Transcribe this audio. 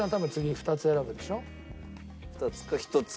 ２つか１つか。